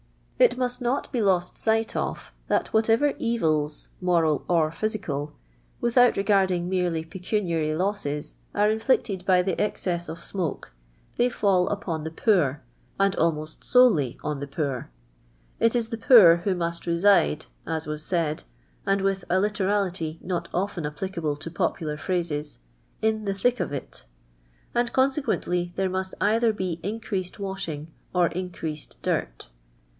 It nuist not be ]o.4t siu'ht of. that wiuitcvcr evils, moral or physical, without reL'ardinjj men ly |m»cu niary loosest, are iiii]ict>'d by tht exee,<s i»f smoke, they fall upon the p<M>r, and almost solely on the poor. It is tht» piii>r who nin.it mirh'. as was 8:1 id, and with a lit"rali;y not often ap]ilicable to {H)pular plir.ises, " in the thuk of it," and con serpiently there nniAt either ho increased was^liing or increased dirt.